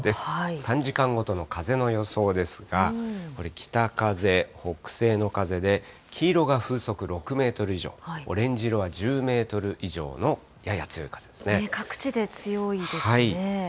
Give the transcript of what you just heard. ３時間ごとの風の予想ですが、これ、北風、北西の風で、黄色が風速６メートル以上、オレンジ色は１０メートル以上のやや強い風ですね。